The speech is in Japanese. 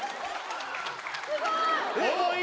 すごーい！